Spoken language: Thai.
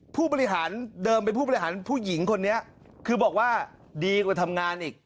ผู้บริหารเดิมเป็นผู้บริหารผู้หญิงคนนี้คือบอกว่าดีกว่าทำงานอีก